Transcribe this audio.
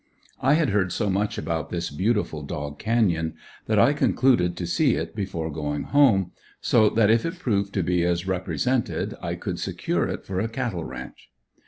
I had heard so much about this beautiful Dog canyon that I concluded to see it before going home, so that if it proved to be as represented I could secure it for a cattle ranch.